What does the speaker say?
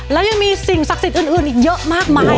แล้วยังมีสิ่งศักดิ์สิทธิ์อื่นอีกเยอะมากมาย